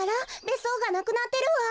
べっそうがなくなってるわ。